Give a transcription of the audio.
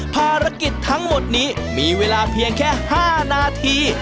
ภารกิจทั้งหมดนี้มีเวลาเพียงแค่๕นาที